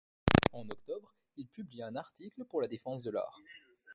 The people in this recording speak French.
En octobre, il publie un article pour la défense de l’art.